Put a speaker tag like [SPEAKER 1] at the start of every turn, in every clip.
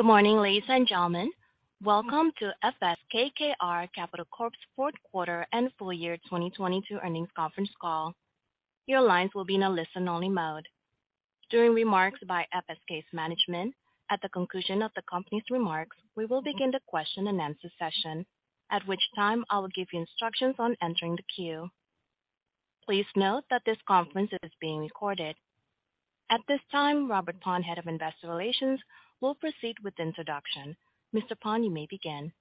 [SPEAKER 1] Good morning, ladies and gentlemen. Welcome to FS KKR Capital Corp.'s Fourth Quarter and Full Year 2022 Earnings Conference Call. Your lines will be in a listen-only mode. During remarks by FSK's management, at the conclusion of the company's remarks, we will begin the question-and-answer session, at which time I will give you instructions on entering the queue. Please note that this conference is being recorded. At this time, Robert Paun, Head of Investor Relations, will proceed with the introduction. Mr. Paun, you may begin.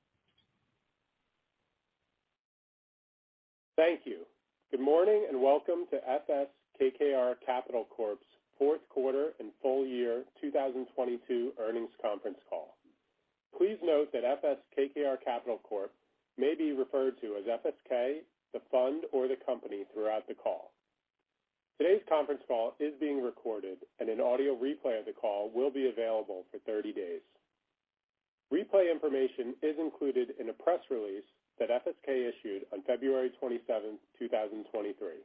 [SPEAKER 2] Thank you. Good morning and welcome to FS KKR Capital Corp.'s fourth quarter and full year 2022 earnings conference call. Please note that FS KKR Capital Corp. may be referred to as FSK, the Fund, or the Company throughout the call. Today's conference call is being recorded, and an audio replay of the call will be available for 30 days. Replay information is included in a press release that FSK issued on 27 February 2023.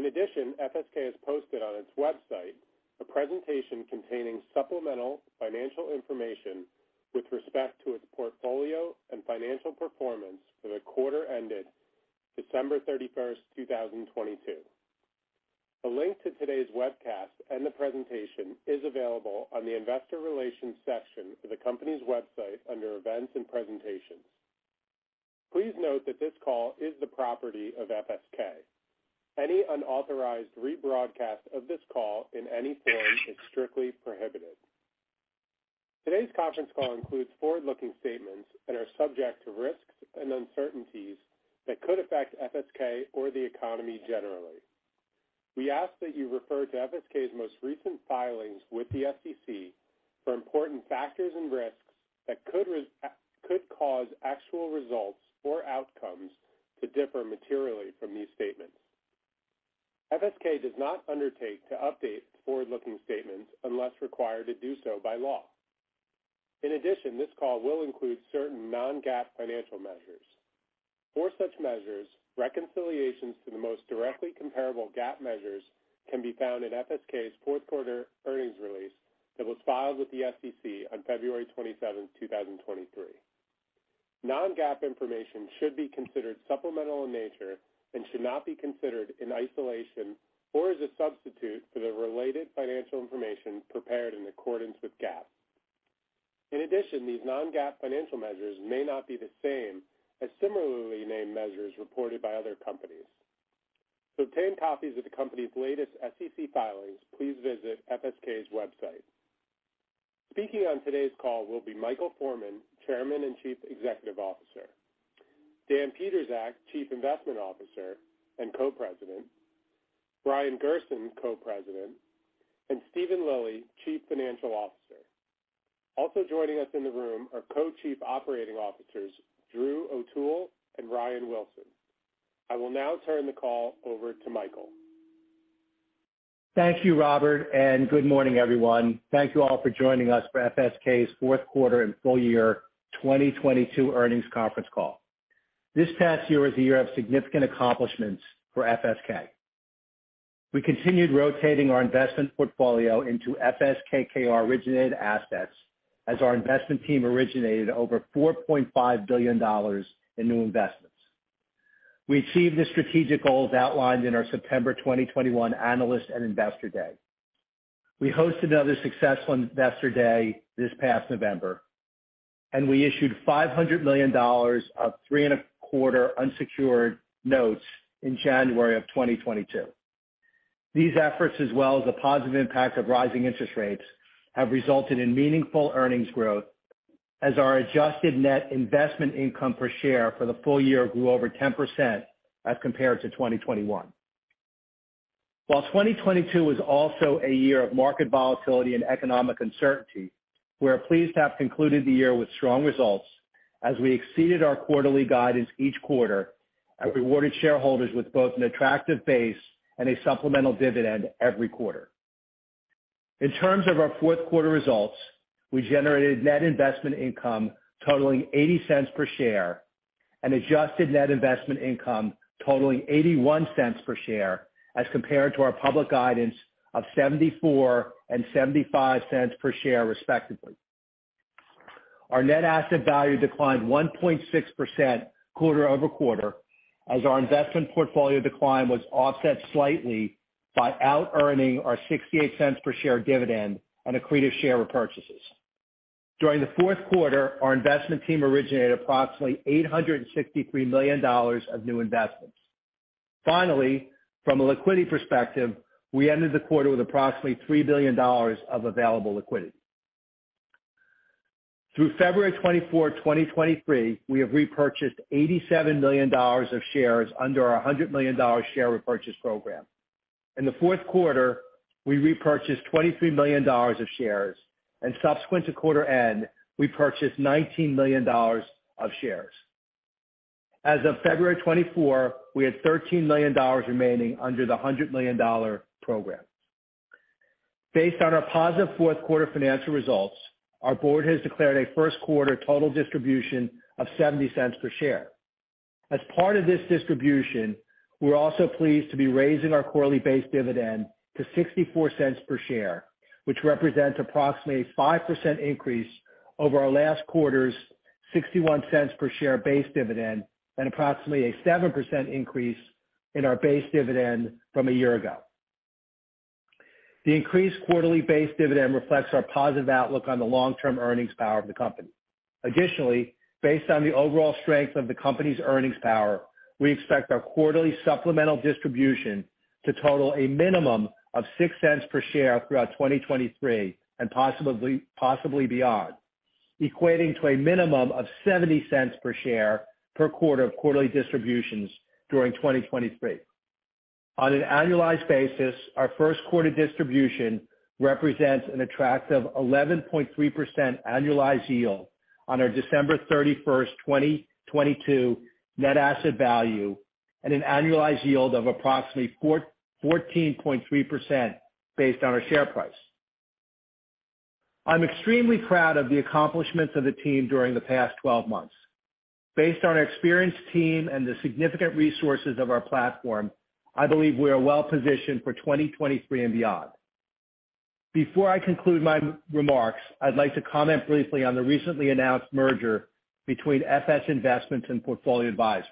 [SPEAKER 2] In addition, FSK has posted on its website a presentation containing supplemental financial information with respect to its portfolio and financial performance for the quarter ended 31 December 2022. A link to today's webcast and the presentation is available on the investor relations section of the company's website under Events and Presentations. Please note that this call is the property of FSK. Any unauthorized rebroadcast of this call in any form is strictly prohibited. Today's conference call includes forward-looking statements and are subject to risks and uncertainties that could affect FSK or the economy generally. We ask that you refer to FSK's most recent filings with the SEC for important factors and risks that could cause actual results or outcomes to differ materially from these statements. FSK does not undertake to update forward-looking statements unless required to do so by law. This call will include certain non-GAAP financial measures. For such measures, reconciliations to the most directly comparable GAAP measures can be found in FSK's fourth quarter earnings release that was filed with the SEC on 27 February 2023. Non-GAAP information should be considered supplemental in nature and should not be considered in isolation or as a substitute for the related financial information prepared in accordance with GAAP. In addition, these non-GAAP financial measures may not be the same as similarly named measures reported by other companies. To obtain copies of the company's latest SEC filings, please visit FSK's website. Speaking on today's call will be Michael Forman, Chairman and Chief Executive Officer; Dan Pietrzak, Chief Investment Officer and Co-President; Brian Gerson, Co-President; and Steven Lilly, Chief Financial Officer. Also joining us in the room are Co-Chief Operating Officers Drew O'Toole and Ryan Wilson. I will now turn the call over to Michael.
[SPEAKER 3] Thank you, Robert. Good morning, everyone. Thank you all for joining us for FSK's fourth quarter and full year 2022 earnings conference call. This past year was a year of significant accomplishments for FSK. We continued rotating our investment portfolio into FS KKR-originated assets as our investment team originated over $4.5 billion in new investments. We achieved the strategic goals outlined in our September 2021 analyst and investor day. We hosted another successful investor day this past November. We issued $500 million of three and a quarter unsecured notes in January 2022. These efforts, as well as the positive impact of rising interest rates, have resulted in meaningful earnings growth as our adjusted net investment income per share for the full year grew over 10% as compared to 2021. While 2022 was also a year of market volatility and economic uncertainty, we are pleased to have concluded the year with strong results as we exceeded our quarterly guidance each quarter and rewarded shareholders with both an attractive base and a supplemental dividend every quarter. In terms of our fourth quarter results, we generated net investment income totaling $0.80 per share and adjusted net investment income totaling $0.81 per share as compared to our public guidance of $0.74 and $0.75 per share, respectively. Our net asset value declined 1.6% quarter-over-quarter as our investment portfolio decline was offset slightly by outearning our $0.68 per share dividend on accretive share repurchases. During the fourth quarter, our investment team originated approximately $863 million of new investments. From a liquidity perspective, we ended the quarter with approximately $3 billion of available liquidity. Through 24 February 2023, we have repurchased $87 million of shares under our $100 million share repurchase program. In the fourth quarter, we repurchased $23 million of shares, and subsequent to quarter end, we purchased $19 million of shares. As of 24 February 2023, we had $13 million remaining under the $100 million program. Based on our positive fourth quarter financial results, our board has declared a first quarter total distribution of $0.70 per share. As part of this distribution, we're also pleased to be raising our quarterly base dividend to $0.64 per share, which represents approximately a 5% increase over our last quarter's $0.61 per share base dividend and approximately a 7% increase in our base dividend from a year ago. The increased quarterly base dividend reflects our positive outlook on the long-term earnings power of the company. Additionally, based on the overall strength of the company's earnings power, we expect our quarterly supplemental distribution to total a minimum of $0.06 per share throughout 2023, and possibly beyond, equating to a minimum of $0.70 per share per quarter of quarterly distributions during 2023. On an annualized basis, our first quarter distribution represents an attractive 11.3% annualized yield on our 31 December 2022 net asset value at an annualized yield of approximately 14.3% based on our share price. I'm extremely proud of the accomplishments of the team during the past 12 months. Based on our experienced team and the significant resources of our platform, I believe we are well-positioned for 2023 and beyond. Before I conclude my remarks, I'd like to comment briefly on the recently announced merger between FS Investments and Portfolio Advisors.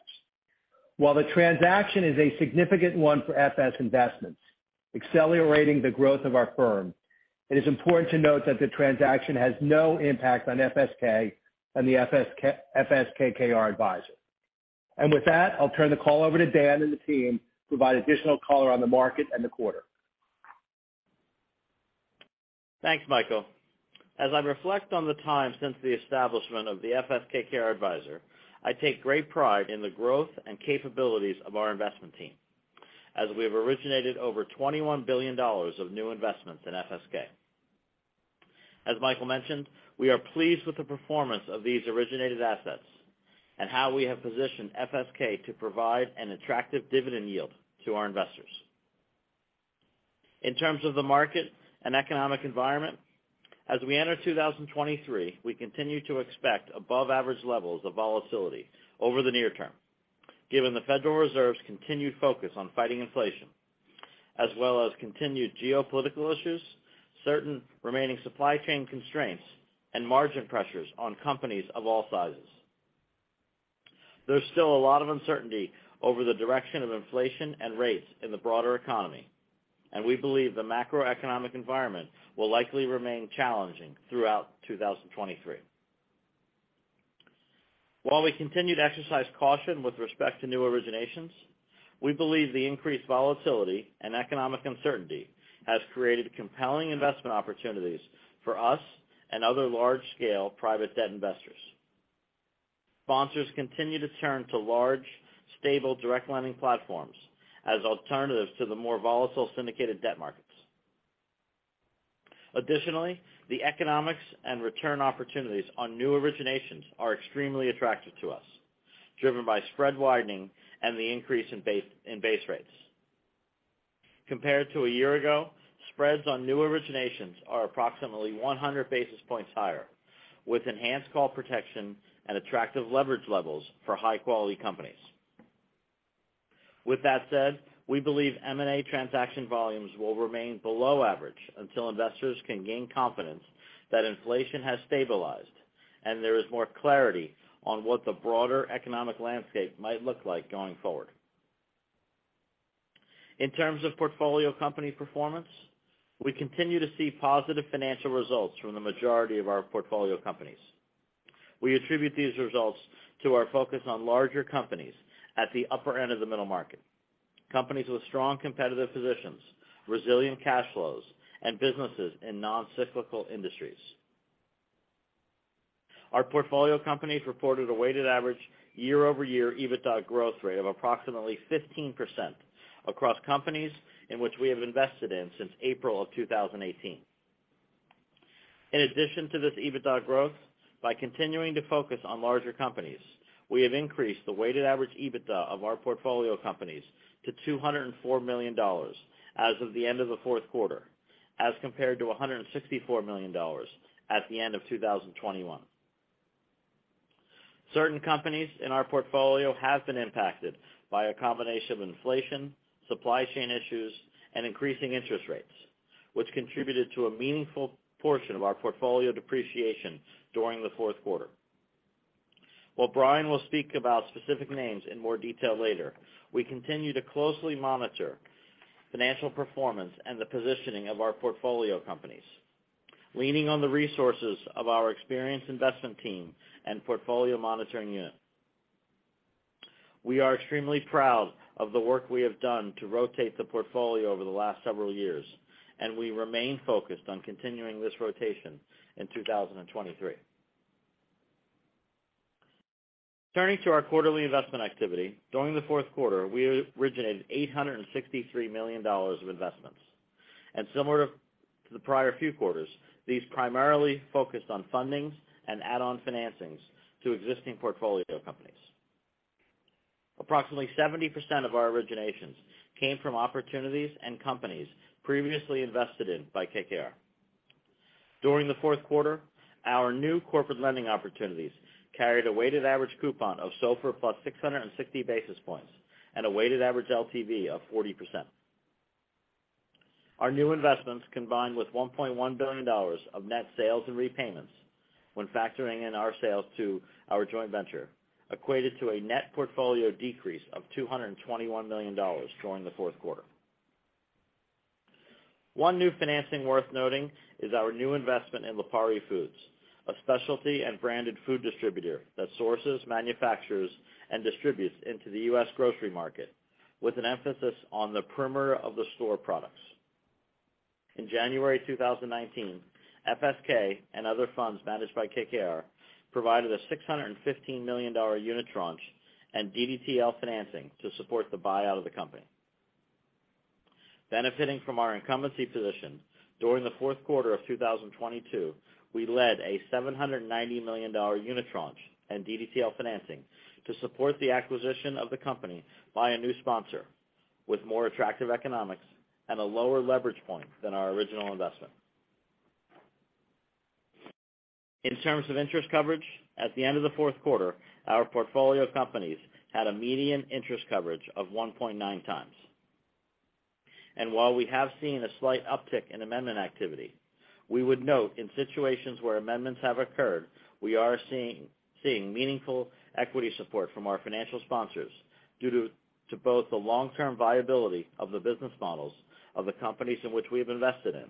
[SPEAKER 3] While the transaction is a significant one for FS Investments, accelerating the growth of our firm, it is important to note that the transaction has no impact on FSK and the FS KKR Advisor. With that, I'll turn the call over to Dan and the team to provide additional color on the market and the quarter.
[SPEAKER 4] Thanks, Michael. As I reflect on the time since the establishment of the FS KKR Advisor, I take great pride in the growth and capabilities of our investment team as we have originated over $21 billion of new investments in FSK. As Michael mentioned, we are pleased with the performance of these originated assets and how we have positioned FSK to provide an attractive dividend yield to our investors. In terms of the market and economic environment, as we enter 2023, we continue to expect above average levels of volatility over the near term, given the Federal Reserve's continued focus on fighting inflation, as well as continued geopolitical issues, certain remaining supply chain constraints, and margin pressures on companies of all sizes. There's still a lot of uncertainty over the direction of inflation and rates in the broader economy. We believe the macroeconomic environment will likely remain challenging throughout 2023. While we continue to exercise caution with respect to new originations, we believe the increased volatility and economic uncertainty has created compelling investment opportunities for us and other large-scale private debt investors. Sponsors continue to turn to large, stable direct lending platforms as alternatives to the more volatile syndicated debt markets. Additionally, the economics and return opportunities on new originations are extremely attractive to us, driven by spread widening and the increase in base rates. Compared to a year ago, spreads on new originations are approximately 100-basis points higher, with enhanced call protection and attractive leverage levels for high-quality companies. With that said, we believe M&A transaction volumes will remain below average until investors can gain confidence that inflation has stabilized and there is more clarity on what the broader economic landscape might look like going forward. In terms of portfolio company performance, we continue to see positive financial results from the majority of our portfolio companies. We attribute these results to our focus on larger companies at the upper end of the middle market, companies with strong competitive positions, resilient cash flows, and businesses in non-cyclical industries. Our portfolio companies reported a weighted average year-over-year EBITDA growth rate of approximately 15% across companies in which we have invested in since April of 2018. In addition to this EBITDA growth, by continuing to focus on larger companies, we have increased the weighted average EBITDA of our portfolio companies to $204 million as of the end of the fourth quarter, as compared to $164 million at the end of 2021. Certain companies in our portfolio have been impacted by a combination of inflation, supply chain issues, and increasing interest rates, which contributed to a meaningful portion of our portfolio depreciation during the fourth quarter. While Brian will speak about specific names in more detail later, we continue to closely monitor financial performance and the positioning of our portfolio companies, leaning on the resources of our experienced investment team and portfolio monitoring unit. We are extremely proud of the work we have done to rotate the portfolio over the last several years, and we remain focused on continuing this rotation in 2023. Turning to our quarterly investment activity, during the fourth quarter, we originated $863 million of investments. Similar to the prior few quarters, these primarily focused on fundings and add-on financings to existing portfolio companies. Approximately 70% of our originations came from opportunities and companies previously invested in by KKR. During the fourth quarter, our new corporate lending opportunities carried a weighted average coupon of SOFR plus 660-basis points and a weighted average LTV of 40%. Our new investments, combined with $1.1 billion of net sales and repayments when factoring in our sales to our joint venture, equated to a net portfolio decrease of $221 million during the fourth quarter. One new financing worth noting is our new investment in Lipari Foods, a specialty and branded food distributor that sources, manufactures, and distributes into the US grocery market, with an emphasis on the perimeter of the store products. In January 2019, FSK and other funds managed by KKR provided a $615 million unitranche and DDTL financing to support the buyout of the company. Benefiting from our incumbency position, during the fourth quarter of 2022, we led a $790 million unitranche and DDTL financing to support the acquisition of the company by a new sponsor with more attractive economics and a lower leverage point than our original investment. In terms of interest coverage, at the end of the fourth quarter, our portfolio companies had a median interest coverage of 1.9 times. While we have seen a slight uptick in amendment activity, we would note in situations where amendments have occurred, we are seeing meaningful equity support from our financial sponsors due to both the long-term viability of the business models of the companies in which we have invested in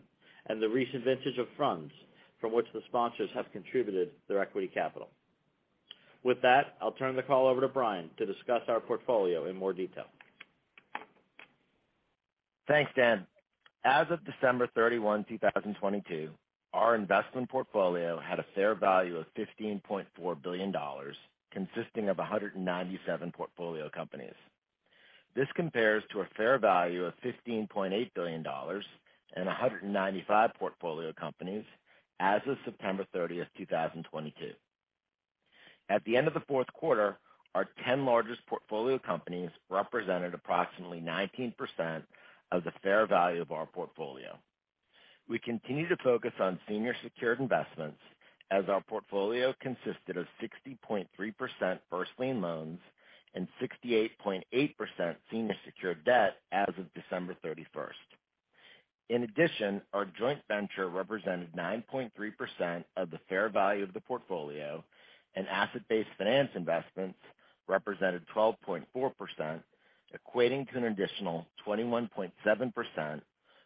[SPEAKER 4] and the recent vintage of funds from which the sponsors have contributed their equity capital. With that, I'll turn the call over to Brian to discuss our portfolio in more detail.
[SPEAKER 5] Thanks, Dan. As of 31 December 2022, our investment portfolio had a fair value of $15.4 billion consisting of 197 portfolio companies. This compares to a fair value of $15.8 billion and 195 portfolio companies as of 30 September 2022. At the end of the fourth quarter, our 10 largest portfolio companies represented approximately 19% of the fair value of our portfolio. We continue to focus on senior secured investments as our portfolio consisted of 60.3% first lien loans and 68.8% senior secured debt as of 31 December 2022. Our joint venture represented 9.3% of the fair value of the portfolio, and asset-based finance investments represented 12.4%, equating to an additional 21.7%,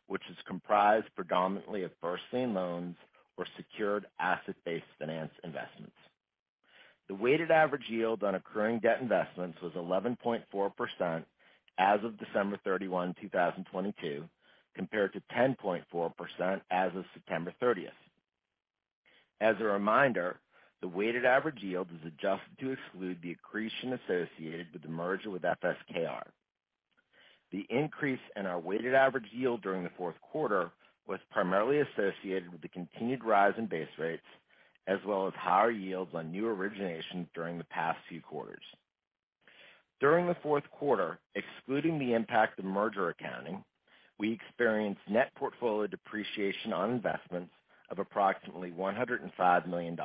[SPEAKER 5] which is comprised predominantly of first lien loans or secured asset-based finance investments. The weighted average yield on occurring debt investments was 11.4% as of 31 December 2022, compared to 10.4% as of 30 September 2022. As a reminder, the weighted average yield is adjusted to exclude the accretion associated with the merger with FSKR. The increase in our weighted average yield during the fourth quarter was primarily associated with the continued rise in base rates as well as higher yields on new originations during the past few quarters. During the fourth quarter, excluding the impact of merger accounting, we experienced net portfolio depreciation on investments of approximately $105 million.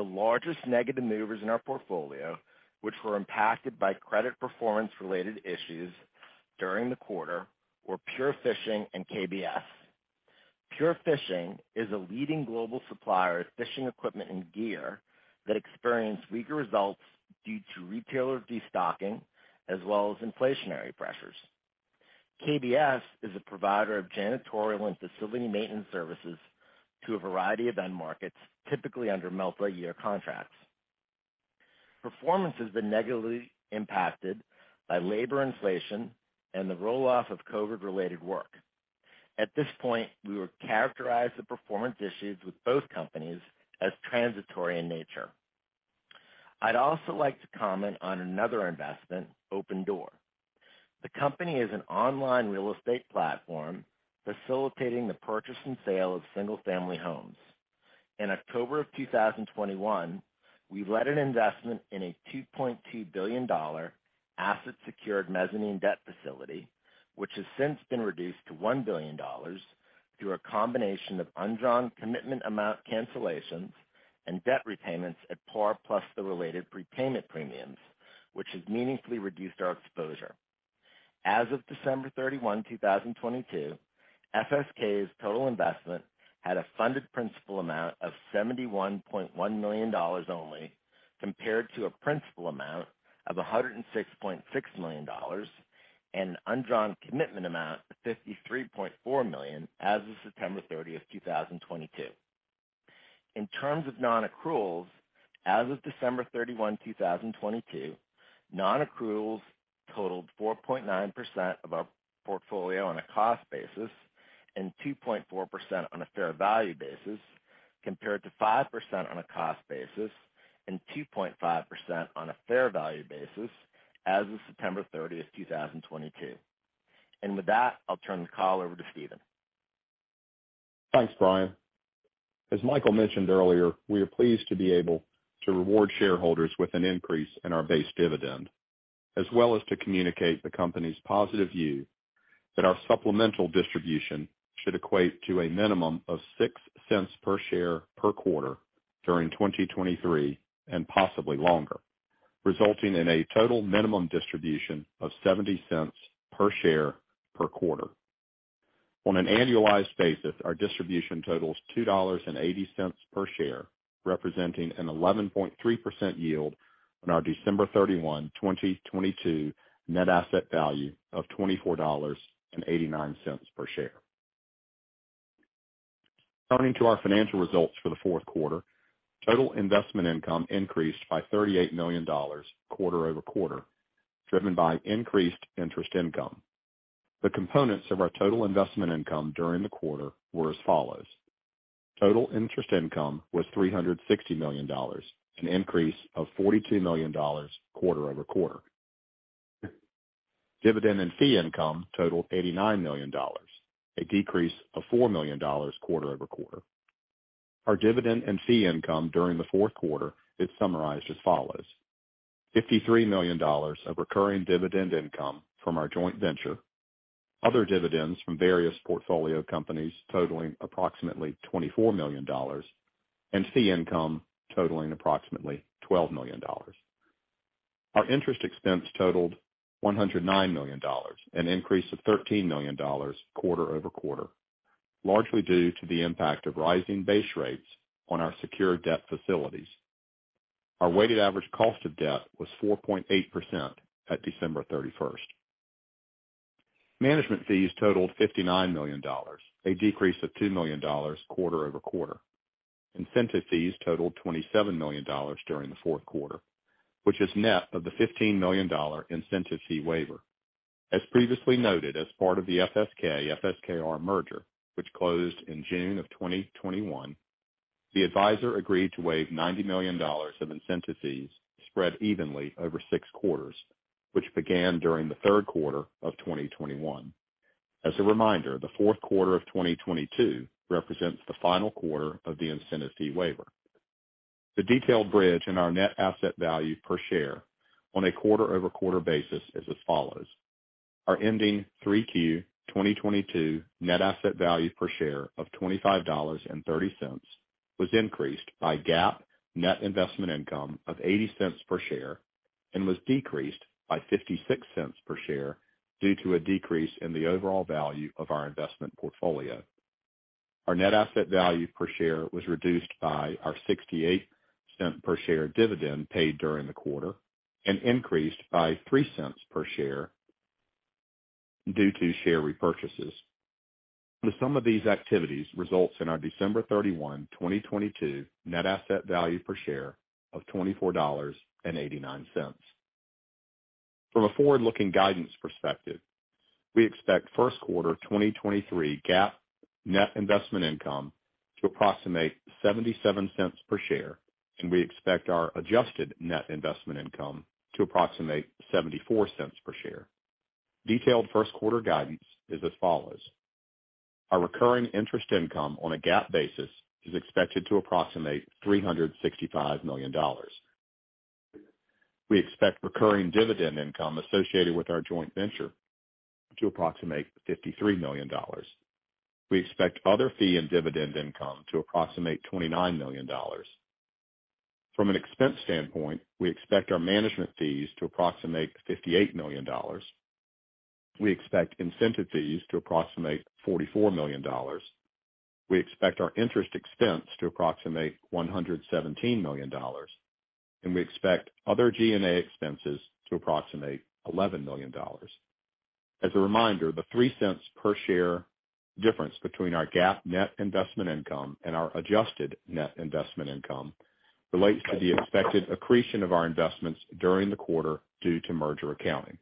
[SPEAKER 5] The largest negative movers in our portfolio, which were impacted by credit performance-related issues during the quarter, were Pure Fishing and KBS. Pure Fishing is a leading global supplier of fishing equipment and gear that experienced weaker results due to retailer destocking as well as inflationary pressures. KBS is a provider of janitorial and facility maintenance services to a variety of end markets, typically under multiyear contracts. Performance has been negatively impacted by labor inflation and the roll-off of COVID-related work. At this point, we would characterize the performance issues with both companies as transitory in nature. I'd also like to comment on another investment, Opendoor. The company is an online real estate platform facilitating the purchase and sale of single-family homes. In October of 2021, we led an investment in a $2.2 billion asset-secured mezzanine debt facility, which has since been reduced to $1 billion through a combination of undrawn commitment amount cancellations and debt repayments at par plus the related prepayment premiums, which has meaningfully reduced our exposure. As of 31 December 2022, FSK's total investment had a funded principal amount of $71.1 million only, compared to a principal amount of $106.6 million and an undrawn commitment amount of $53.4 million as of 30 September 2022. In terms of non-accruals, as of 31 December 2022, non-accruals totaled 4.9% of our portfolio on a cost basis and 2.4% on a fair value basis, compared to 5% on a cost basis and 2.5% on a fair value basis as of 30 September 2022. With that, I'll turn the call over to Steven.
[SPEAKER 6] Thanks, Brian. As Michael mentioned earlier, we are pleased to be able to reward shareholders with an increase in our base dividend. As well as to communicate the company's positive view that our supplemental distribution should equate to a minimum of $0.06 per share per quarter during 2023, and possibly longer, resulting in a total minimum distribution of $0.70 per share per quarter. On an annualized basis, our distribution totals $2.80 per share, representing an 11.3% yield on our 31 December 2022 net asset value of $24.89 per share. Turning to our financial results for the fourth quarter, total investment income increased by $38 million quarter-over-quarter, driven by increased interest income. The components of our total investment income during the quarter were as follows: Total interest income was $360 million, an increase of $42 million quarter-over-quarter. Dividend and fee income totaled $89 million, a decrease of $4 million quarter-over-quarter. Our dividend and fee income during the fourth quarter is summarized as follows: $53 million of recurring dividend income from our joint venture, other dividends from various portfolio companies totaling approximately $24 million, and fee income totaling approximately $12 million. Our interest expense totaled $109 million, an increase of $13 million quarter-over-quarter, largely due to the impact of rising base rates on our secure debt facilities. Our weighted average cost of debt was 4.8% at 31 December 2022. Management fees totaled $59 million, a decrease of $2 million quarter-over-quarter. Incentive fees totaled $27 million during the fourth quarter, which is net of the $15 million incentive fee waiver. As previously noted, as part of the FSK-FSKR merger, which closed in June 2021, the advisor agreed to waive $90 million of incentive fees spread evenly over six quarters, which began during the third quarter of 2021. As a reminder, the fourth quarter of 2022 represents the final quarter of the incentive fee waiver. The detailed bridge in our net asset value per share on a quarter-over-quarter basis is as follows: Our ending third quarter 2022 net asset value per share of $25.30 was increased by GAAP net investment income of $0.80 per share and was decreased by $0.56 per share due to a decrease in the overall value of our investment portfolio. Our net asset value per share was reduced by our $0.68 per share dividend paid during the quarter and increased by $0.03 per share due to share repurchases. The sum of these activities results in our 31 December 2022 net asset value per share of $24.89. From a forward-looking guidance perspective, we expect first quarter 2023 GAAP net investment income to approximate $0.77 per share. We expect our adjusted net investment income to approximate $0.74 per share. Detailed first quarter guidance is as follows: Our recurring interest income on a GAAP basis is expected to approximate $365 million. We expect recurring dividend income associated with our joint venture to approximate $53 million. We expect other fee and dividend income to approximate $29 million. From an expense standpoint, we expect our management fees to approximate $58 million. We expect incentive fees to approximate $44 million. We expect our interest expense to approximate $117 million. We expect other G&A expenses to approximate $11 million. As a reminder, the $0.03 per share difference between our GAAP net investment income and our adjusted net investment income relates to the expected accretion of our investments during the quarter due to merger accounting.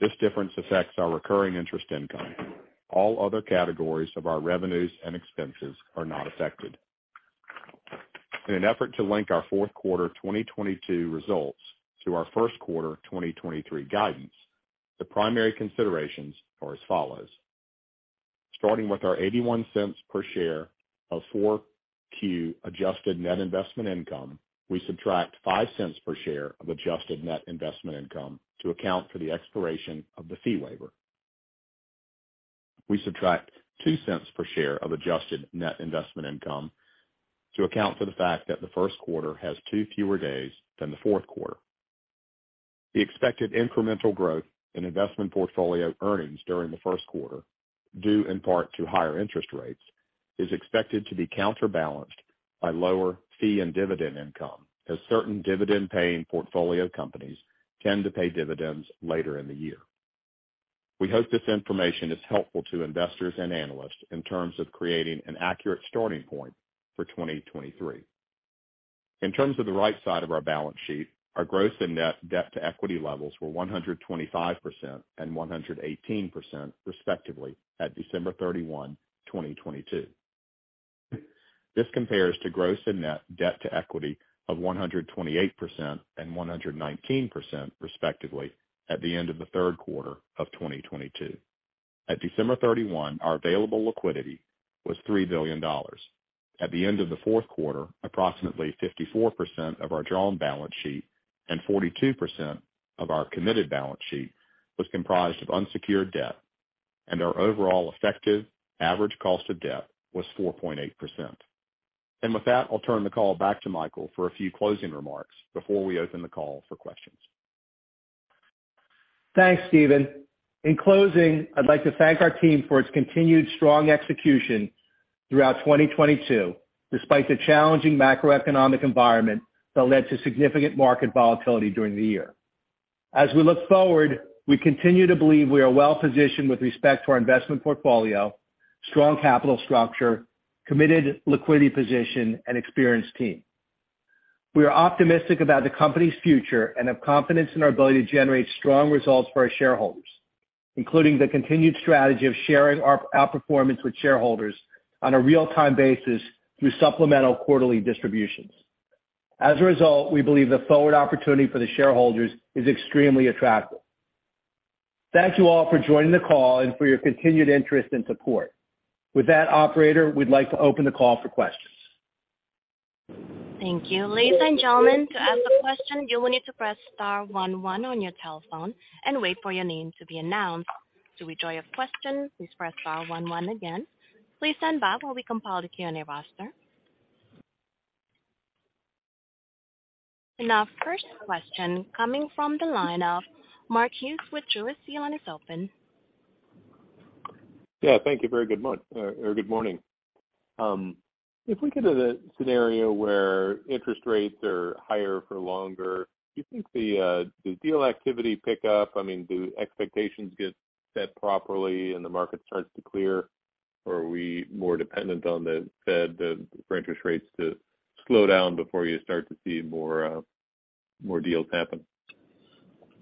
[SPEAKER 6] This difference affects our recurring interest income. All other categories of our revenues and expenses are not affected. In an effort to link our fourth quarter 2022 results to our first quarter 2023 guidance, the primary considerations are as follows: Starting with our $0.81 per share of fourth quarter adjusted net investment income, we subtract $0.05 per share of adjusted net investment income to account for the expiration of the fee waiver. We subtract $0.02 per share of adjusted net investment income to account for the fact that the first quarter has two fewer days than the fourth quarter. The expected incremental growth in investment portfolio earnings during the first quarter, due in part to higher interest rates, is expected to be counterbalanced by lower fee and dividend income, as certain dividend-paying portfolio companies tend to pay dividends later in the year. We hope this information is helpful to investors and analysts in terms of creating an accurate starting point for 2023. In terms of the right side of our balance sheet, our gross and net debt-to-equity levels were 125% and 118%, respectively, at 31 December 2022. This compares to gross and net debt-to-equity of 128% and 119%, respectively, at the end of the third quarter of 2022. At 31 December 2022, our available liquidity was $3 billion. At the end of the fourth quarter, approximately 54% of our drawn balance sheet and 42% of our committed balance sheet was comprised of unsecured debt, and our overall effective average cost of debt was 4.8%. With that, I'll turn the call back to Michael for a few closing remarks before we open the call for questions.
[SPEAKER 3] Thanks, Steven. In closing, I'd like to thank our team for its continued strong execution throughout 2022, despite the challenging macroeconomic environment that led to significant market volatility during the year. As we look forward, we continue to believe we are well-positioned with respect to our investment portfolio, strong capital structure, committed liquidity position, and experienced team. We are optimistic about the company's future and have confidence in our ability to generate strong results for our shareholders, including the continued strategy of sharing our performance with shareholders on a real-time basis through supplemental quarterly distributions. As a result, we believe the forward opportunity for the shareholders is extremely attractive. Thank you, all for joining the call and for your continued interest and support. With that, operator, we'd like to open the call for questions.
[SPEAKER 1] Thank you. Ladies and gentlemen, to ask a question, you will need to press star one, one on your telephone and wait for your name to be announced. To withdraw your question, please press star one, one again. Please stand by while we compile the Q&A roster. Our first question coming from the line of Mark Hughes with Truist Securities. Your line is open.
[SPEAKER 7] Yeah, thank you very good morning. If we get to the scenario where interest rates are higher for longer, do you think the deal activity pick up? I mean, do expectations get set properly and the market starts to clear, or are we more dependent on the Fed for interest rates to slow down before you start to see more deals happen?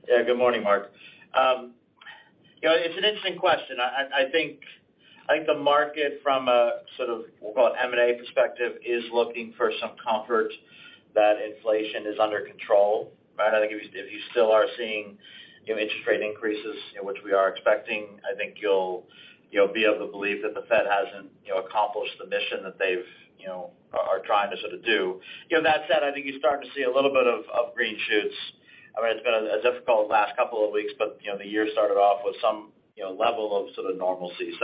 [SPEAKER 4] Yeah, good morning, Mark. You know, it's an interesting question. I think the market from a sort of, we'll call it M&A perspective, is looking for some comfort that inflation is under control, right? I think if you still are seeing, you know, interest rate increases, which we are expecting, I think you'll, you know, be able to believe that the Fed hasn't, you know, accomplished the mission that they've, you know, are trying to sort of do. You know, that said, I think you're starting to see a little bit of green shoots. I mean, it's been a difficult last couple of weeks, but, you know, the year started off with some, you know, level of sort of normalcy. You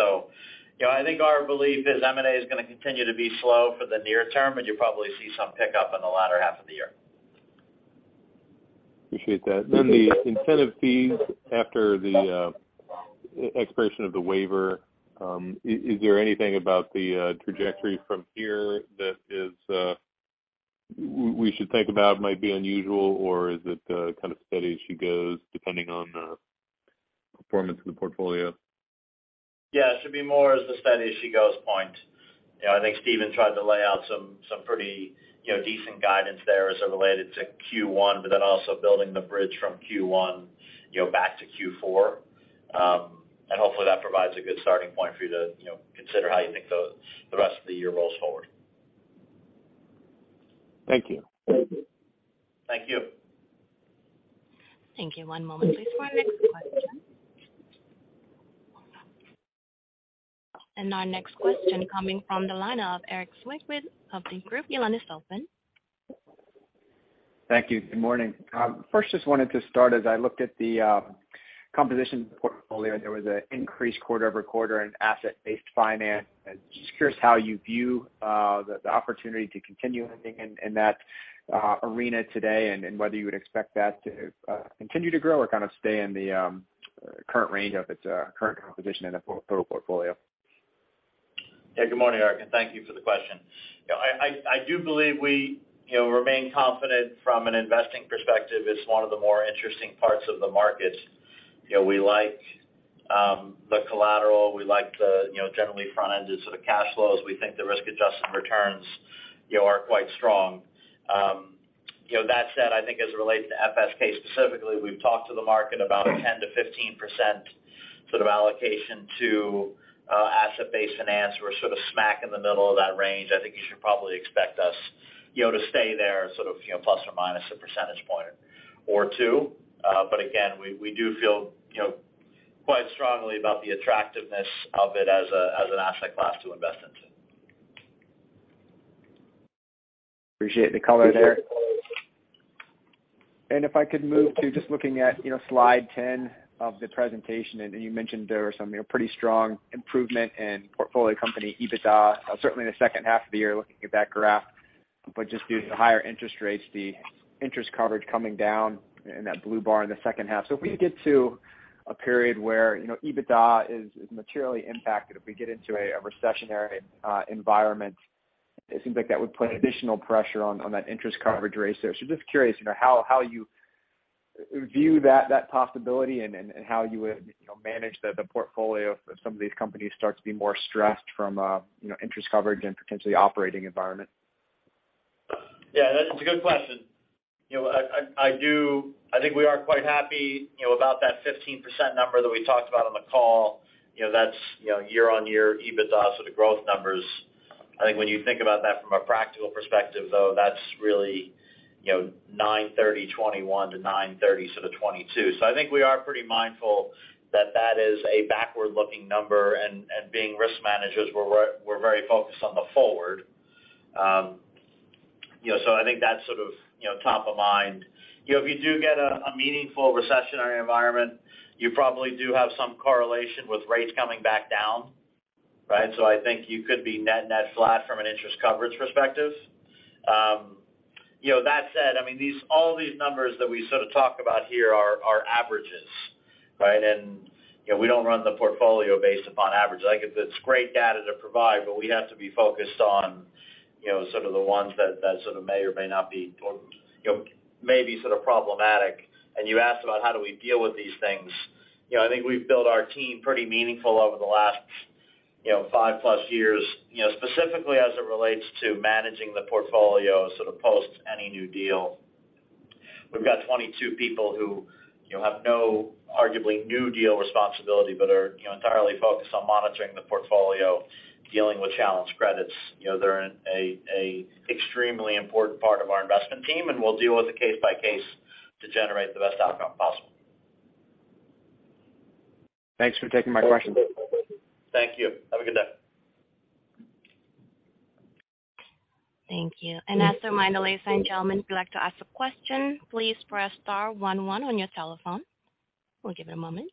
[SPEAKER 4] know, I think our belief is M&A is gonna continue to be slow for the near term, but you'll probably see some pickup in the latter half of the year.
[SPEAKER 7] Appreciate that. The incentive fees after the expiration of the waiver, is there anything about the trajectory from here that is we should think about might be unusual, or is it kind of steady as she goes, depending on the performance of the portfolio?
[SPEAKER 4] It should be more as the steady-as-she-goes point. You know, I think Steven tried to lay out some pretty, you know, decent guidance there as it related to first quarter, also building the bridge from first quarter, you know, back to fourth quarter. Hopefully that provides a good starting point for you to, you know, consider how you think the rest of the year rolls forward.
[SPEAKER 7] Thank you.
[SPEAKER 4] Thank you.
[SPEAKER 1] Thank you. One moment, please, for our next question. Our next question coming from the line of Erik Zwick with Hovde Group. Your line is open.
[SPEAKER 8] Thank you. Good morning. First, just wanted to start, as I looked at the composition portfolio, there was an increase quarter-over-quarter in asset-based finance. Just curious how you view the opportunity to continue in that arena today, and whether you would expect that to continue to grow or kind of stay in the current range of its current composition in the total portfolio.
[SPEAKER 4] Yeah, good morning, Erik, and thank you for the question. You know, I do believe we, you know, remain confident from an investing perspective it's one of the more interesting parts of the markets. You know, we like the collateral, we like the, you know, generally front-ended sort of cash flows. We think the risk-adjusted returns, you know, are quite strong. You know, that said, I think as it relates to FSK specifically, we've talked to the market about 10% to 15% sort of allocation to asset-based finance. We're sort of smack in the middle of that range. I think you should probably expect us, you know, to stay there, sort of, you know, plus/minus 1% or 2% points. Again, we do feel, you know, quite strongly about the attractiveness of it as an asset class to invest into.
[SPEAKER 8] Appreciate the color there. If I could move to just looking at, you know, slide 10 of the presentation, you mentioned there were some, you know, pretty strong improvement in portfolio company EBITDA, certainly in the second half of the year looking at that graph. Just due to the higher interest rates, the interest coverage coming down in that blue bar in the second half. If we get to a period where, you know, EBITDA is materially impacted, if we get into a recessionary environment, it seems like that would put additional pressure on that interest coverage ratio. Just curious, you know, how you view that possibility and how you would, you know, manage the portfolio if some of these companies start to be more stressed from, you know, interest coverage and potentially operating environment.
[SPEAKER 4] That's a good question. You know, I think we are quite happy, you know, about that 15% number that we talked about on the call. You know, that's, you know, year-on-year EBITDA, so the growth numbers I think when you think about that from a practical perspective though, that's really, you know, 30 September 2021 to 30 September 2022. I think we are pretty mindful that that is a backward-looking number, and being risk managers, we're very focused on the forward. You know, I think that's sort of, you know, top of mind. You know, if you do get a meaningful recessionary environment, you probably do have some correlation with rates coming back down, right? I think you could be net flat from an interest coverage perspective. You know, that said, I mean, all these numbers that we sort of talk about here are averages, right? You know, we don't run the portfolio based upon averages. Like, it's great data to provide, but we have to be focused on, you know, sort of the ones that sort of may or may not be, or, you know, may be sort of problematic. You asked about how do we deal with these things. You know, I think we've built our team pretty meaningful over the last, you know, five-plus years. You know, specifically as it relates to managing the portfolio sort of post any new deal. We've got 22 people who, you know, have no arguably new deal responsibility, but are, you know, entirely focused on monitoring the portfolio, dealing with challenged credits. You know, they're an extremely important part of our investment team, and we'll deal with it case by case to generate the best outcome possible.
[SPEAKER 8] Thanks for taking my question.
[SPEAKER 4] Thank you. Have a good day.
[SPEAKER 1] Thank you. As a reminder, ladies and gentlemen, if you'd like to ask a question, please press star one, one on your telephone. We'll give it a moment.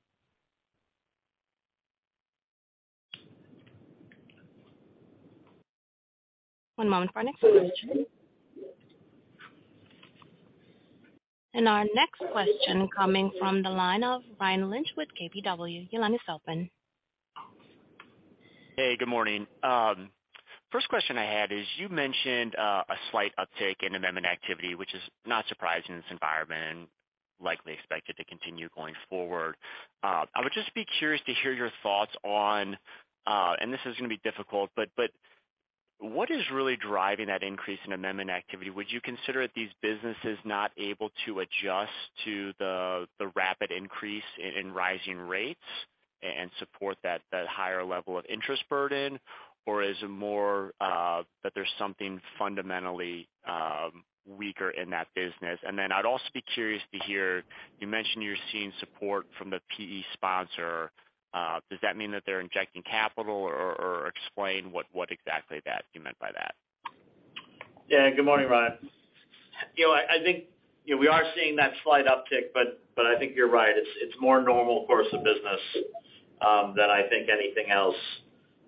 [SPEAKER 1] One moment for our next question. Our next question coming from the line of Ryan Lynch with KBW. Your line is open.
[SPEAKER 9] Hey, good morning. First question I had is, you mentioned a slight uptick in amendment activity, which is not surprising in this environment and likely expected to continue going forward. I would just be curious to hear your thoughts on, and this is gonna be difficult, but what is really driving that increase in amendment activity? Would you consider it these businesses not able to adjust to the rapid increase in rising rates and support that higher level of interest burden? Is it more that there's something fundamentally weaker in that business? Then I'd also be curious to hear, you mentioned you're seeing support from the PE sponsor. Does that mean that they're injecting capital or explain what exactly that you meant by that?
[SPEAKER 4] Yeah. Good morning, Ryan. You know, I think, you know, we are seeing that slight uptick, but I think you're right. It's more normal course of business than I think anything else.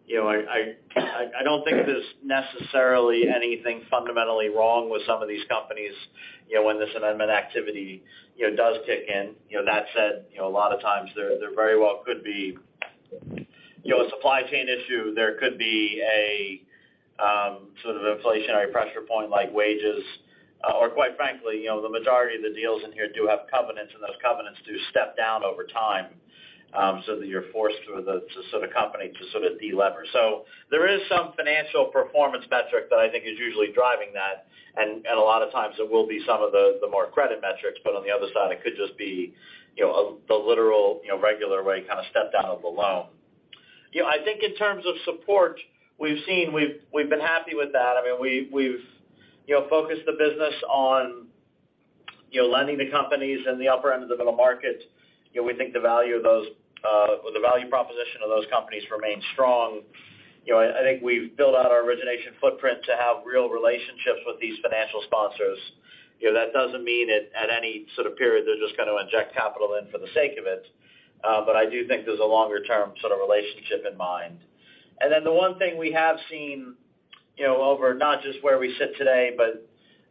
[SPEAKER 4] You know, I don't think there's necessarily anything fundamentally wrong with some of these companies, you know, when this amendment activity, you know, does kick in. You know, that said, you know, a lot of times there very well could be, you know, a supply chain issue. There could be a sort of inflationary pressure point like wages. Or quite frankly, you know, the majority of the deals in here do have covenants, and those covenants do step down over time, so that you're forced to sort of company to de-lever. There is some financial performance metric that I think is usually driving that. A lot of times it will be some of the more credit metrics, but on the other side, it could just be, you know, the literal, you know, regular way kind of step down of the loan. You know, I think in terms of support, we've seen, we've been happy with that. I mean, we've, you know, focused the business on, you know, lending to companies in the upper end of the middle market. You know, we think the value of those, or the value proposition of those companies remains strong. You know, I think we've built out our origination footprint to have real relationships with these financial sponsors. You know, that doesn't mean at any sort of period they're just gonna inject capital in for the sake of it. I do think there's a longer term sort of relationship in mind. The one thing we have seen, you know, over not just where we sit today, but,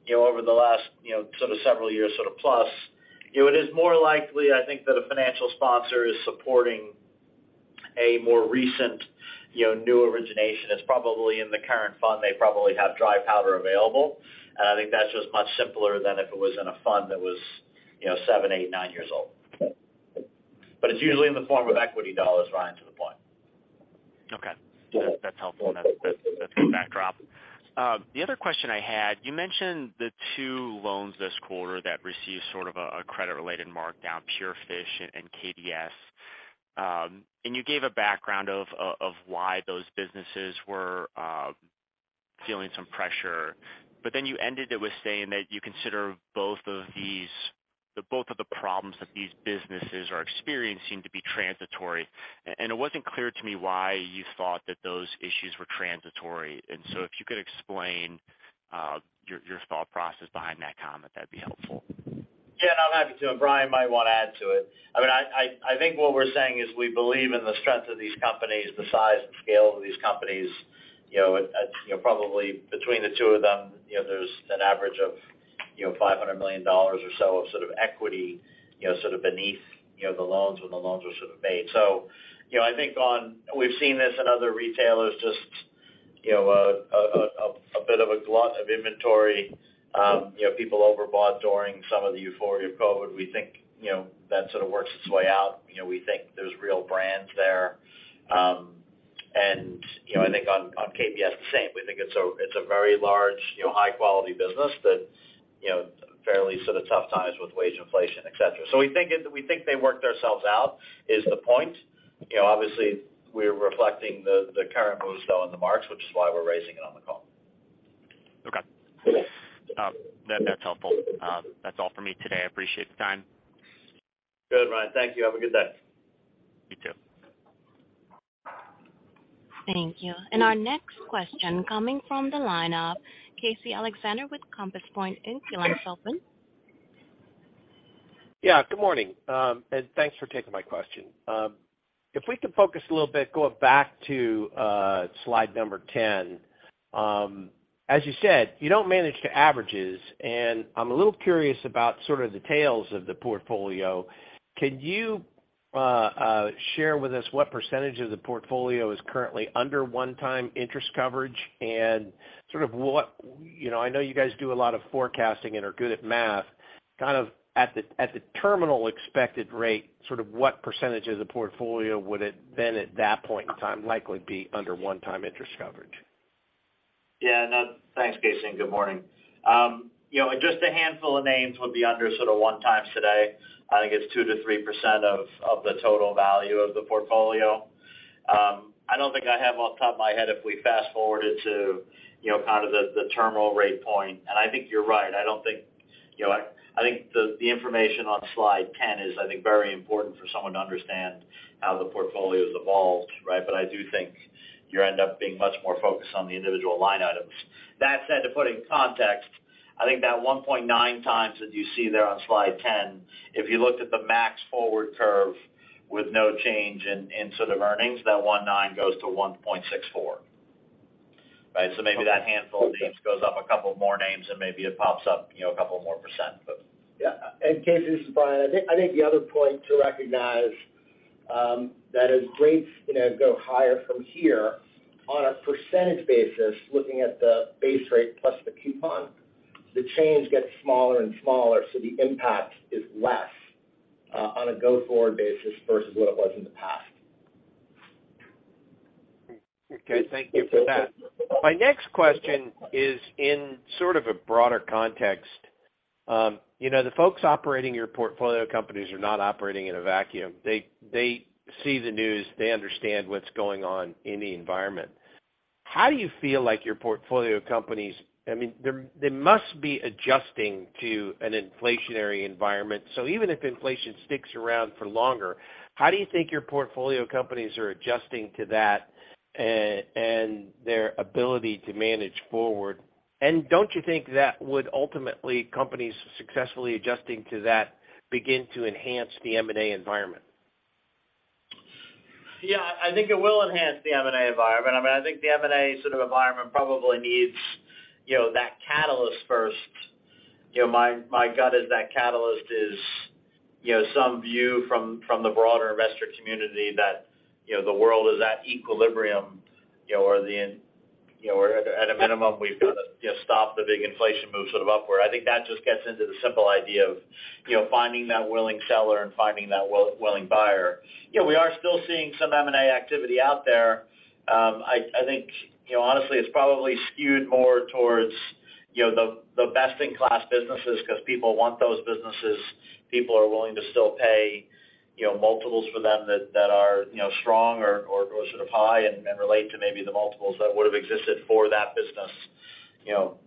[SPEAKER 4] you know, over the last, you know, sort of several years sort of plus, you know, it is more likely, I think that a financial sponsor is supporting a more recent, you know, new origination. It's probably in the current fund. They probably have dry powder available. I think that's just much simpler than if it was in a fund that was, you know, seven, eight, nine years old. It's usually in the form of equity dollars, Ryan, to the point.
[SPEAKER 9] Okay. That's helpful. That's good backdrop. The other question I had, you mentioned the two loans this quarter that received sort of a credit-related markdown, Pure Fishing and KBS. You gave a background of why those businesses were feeling some pressure. You ended it with saying that you consider the both of the problems that these businesses are experiencing to be transitory. It wasn't clear to me why you thought that those issues were transitory. If you could explain your thought process behind that comment, that'd be helpful.
[SPEAKER 4] Yeah, I'm happy to, and Brian might wanna add to it. I mean, I think what we're saying is we believe in the strength of these companies, the size and scale of these companies. You know, it's, you know, probably between the two of them, you know, there's an average of, you know, $500 million or so of sort of equity, you know, sort of beneath, you know, the loans when the loans were sort of made. I think we've seen this in other retailers, just, you know, a bit of a glut of inventory. People overbought during some of the euphoria of COVID. We think, you know, that sort of works its way out. You know, we think there's real brands there. I think on KBS, the same. We think it's a very large, you know, high quality business that, you know, fairly sort of tough times with wage inflation, et cetera. We think they worked ourselves out is the point. You know, obviously, we're reflecting the current moves, though, in the marks, which is why we're raising it on the call.
[SPEAKER 9] Okay. That's helpful. That's all for me today. I appreciate the time.
[SPEAKER 4] Good, Ryan. Thank you. Have a good day.
[SPEAKER 9] You too.
[SPEAKER 1] Thank you. Our next question coming from the line of Casey Alexander with Compass Point. Your line's open.
[SPEAKER 10] Good morning. Thanks for taking my question. If we can focus a little bit going back to slide number 10. As you said, you don't manage to averages, and I'm a little curious about sort of the tails of the portfolio. Can you share with us what percentage of the portfolio is currently under one time interest coverage and sort of what... you know, I know you guys do a lot of forecasting and are good at math. Kind of at the, at the terminal expected rate, sort of what percentages of the portfolio would it then at that point in time likely be under one time interest coverage?
[SPEAKER 4] Yeah. No, thanks, Casey, and good morning. You know, just a handful of names would be under sort of one time today. I think it's 2% to 3% of the total value of the portfolio. I don't think I have off the top of my head if we fast-forwarded to, you know, kind of the terminal rate point. I think you're right. I think the information on slide 10 is, I think, very important for someone to understand how the portfolio has evolved, right? I do think you end up being much more focused on the individual line items. That said, to put in context, I think that 1.9x that you see there on slide 10, if you looked at the max forward curve with no change in sort of earnings, that 1.9 goes to 1.64. Right? Maybe that handful of names goes up a couple more names, and maybe it pops up, you know, a couple more percent.
[SPEAKER 5] Yeah. Casey, this is Brian. I think the other point to recognize that as rates, you know, go higher from here on a percentage basis, looking at the base rate plus the coupon, the change gets smaller and smaller, so the impact is less on a go-forward basis versus what it was in the past.
[SPEAKER 10] Okay. Thank you for that. My next question is in sort of a broader context. You know, the folks operating your portfolio companies are not operating in a vacuum. They see the news. They understand what's going on in the environment. How do you feel like your portfolio companies, I mean, they must be adjusting to an inflationary environment? So even if inflation sticks around for longer, how do you think your portfolio companies are adjusting to that and their ability to manage forward? Don't you think that would ultimately, companies successfully adjusting to that begin to enhance the M&A environment?
[SPEAKER 4] I think it will enhance the M&A environment. I mean, I think the M&A sort of environment probably needs, you know, that catalyst first. My gut is that catalyst is, you know, some view from the broader investor community that, you know, the world is at equilibrium, you know, or at a minimum, we've gotta, you know, stop the big inflation move sort of upward. I think that just gets into the simple idea of, you know, finding that willing seller and finding that willing buyer. We are still seeing some M&A activity out there. I think, you know, honestly, it's probably skewed more towards, you know, the best-in-class businesses 'cause people want those businesses. People are willing to still pay, you know, multiples for them that are, you know, strong or sort of high and relate to maybe the multiples that would've existed for that business, you know,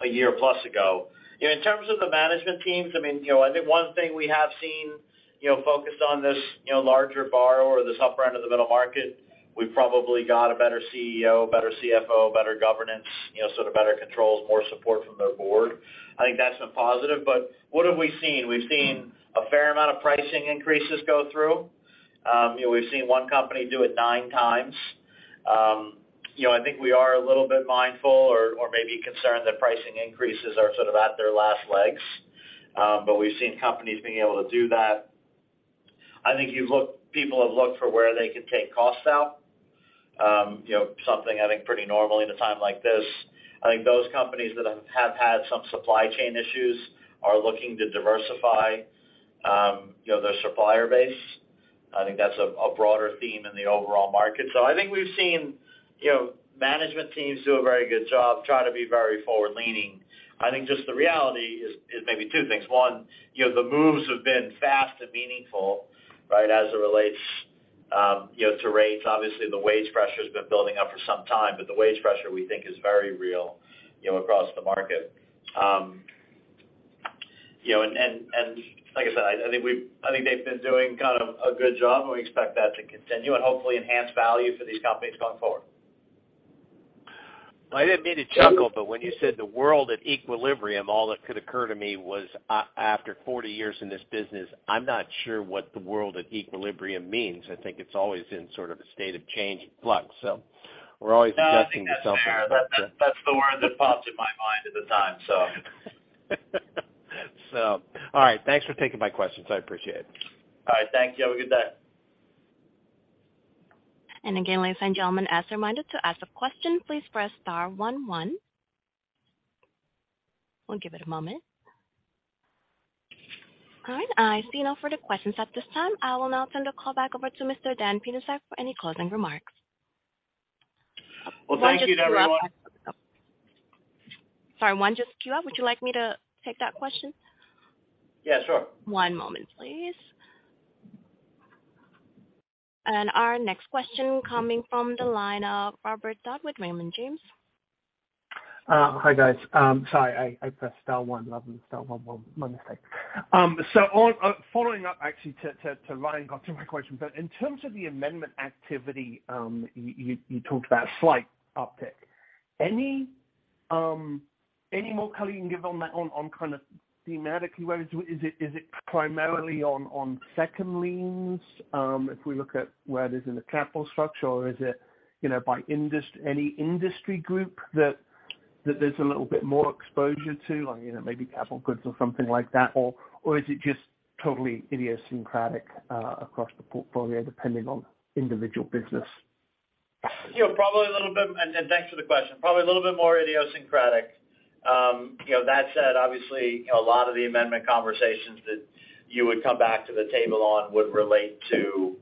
[SPEAKER 4] a year plus ago. You know, in terms of the management teams, I mean, you know, I think one thing we have seen, you know, focused on this, you know, larger borrower or this upper end of the middle market, we've probably got a better CEO, better CFO, better governance, you know, sort of better controls, more support from their board. I think that's been positive. What have we seen? We've seen a fair amount of pricing increases go through. You know, we've seen one company do it nine times. You know, I think we are a little bit mindful or maybe concerned that pricing increases are sort of at their last legs. We've seen companies being able to do that. I think people have looked for where they could take costs out. You know, something I think pretty normal in a time like this. I think those companies that have had some supply chain issues are looking to diversify, you know, their supplier base. I think that's a broader theme in the overall market. I think we've seen, you know, management teams do a very good job trying to be very forward-leaning. I think just the reality is maybe two things. One, you know, the moves have been fast and meaningful, right? As it relates, you know, to rates. Obviously, the wage pressure's been building up for some time, but the wage pressure, we think, is very real, you know, across the market. You know, like I said, I think they've been doing kind of a good job, and we expect that to continue and hopefully enhance value for these companies going forward.
[SPEAKER 10] I didn't mean to chuckle, but when you said the world at equilibrium, all that could occur to me was after 40 years in this business, I'm not sure what the world at equilibrium means. I think it's always in sort of a state of change and flux. We're always adjusting to something...
[SPEAKER 4] I think that's fair. That's the word that popped in my mind at the time, so.
[SPEAKER 10] All right. Thanks for taking my questions. I appreciate it.
[SPEAKER 4] All right. Thank you. Have a good day.
[SPEAKER 1] Again, ladies and gentlemen, as a reminder, to ask a question, please press star one, one. We'll give it a moment. All right. I see no further questions at this time. I will now turn the call back over to Mr. Daniel Pietrzak for any closing remarks.
[SPEAKER 4] Well, thank you to everyone...
[SPEAKER 1] Sorry, one just queue up. Would you like me to take that question?
[SPEAKER 4] Yeah, sure.
[SPEAKER 1] One moment, please. Our next question coming from the line of Robert Dodd with Raymond James.
[SPEAKER 11] Hi, guys. Sorry, I pressed star one... [inaudible] and star one, one, my mistake. Following up actually to Ryan, got to my question, but in terms of the amendment activity, you talked about slight uptick. Any more color you can give on that on kind of thematically, where is it? Is it primarily on second liens, if we look at where it is in the capital structure or is it, you know, by any industry group that there's a little bit more exposure to like, you know, maybe capital goods or something like that or is it just totally idiosyncratic across the portfolio depending on individual business?
[SPEAKER 4] You know, probably a little bit. Thanks for the question. Probably a little bit more idiosyncratic. You know, that said, obviously, you know, a lot of the amendment conversations that you would come back to the table on would relate to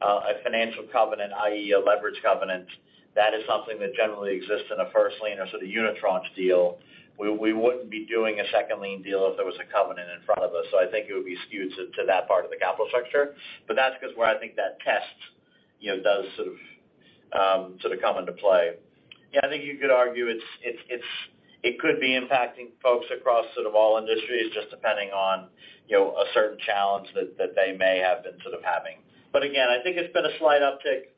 [SPEAKER 4] a financial covenant, i.e., a leverage covenant. That is something that generally exists in a first lien or sort of unitranche deal. We wouldn't be doing a second lien deal if there was a covenant in front of us. I think it would be skewed to that part of the capital structure. That's 'cause where I think that test, you know, does sort of come into play.
[SPEAKER 5] Yeah, I think you could argue it's it could be impacting folks across sort of all industries just depending on, you know, a certain challenge that they may have been sort of having. Again, I think it's been a slight uptick,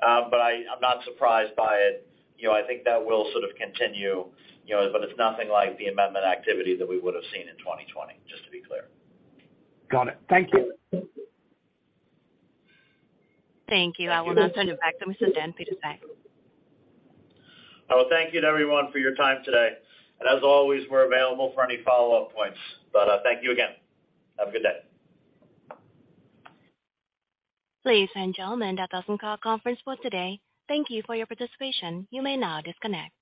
[SPEAKER 5] but I'm not surprised by it. You know, I think that will sort of continue, you know. It's nothing like the amendment activity that we would have seen in 2020, just to be clear.
[SPEAKER 11] Got it. Thank you.
[SPEAKER 1] Thank you.
[SPEAKER 4] Thank you.
[SPEAKER 1] I will now turn it back to Mr. Dan Pietrzak.
[SPEAKER 4] I will thank you to everyone for your time today. As always, we're available for any follow-up points. Thank you again. Have a good day.
[SPEAKER 1] Ladies and gentlemen, that does end our conference call today. Thank you for your participation. You may now disconnect.